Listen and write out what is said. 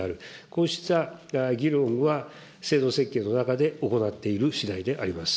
こうした議論は、制度設計の中で行っているしだいであります。